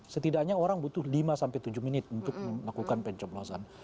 setidaknya orang butuh lima sampai tujuh menit untuk melakukan pencoblosan